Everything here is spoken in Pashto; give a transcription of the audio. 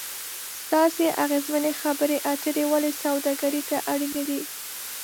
ستاسې اغیزمنې خبرې اترې ولې سوداګري ته اړینې دي ؟